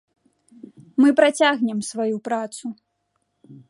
Мы працягнем сваю працу!